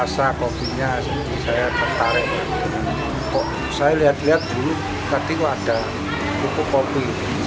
saya lihat lihat dulu nanti kok ada kerupuk kopi